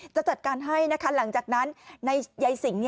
จะจัดการให้หลังจากนั้นในยายสิงห์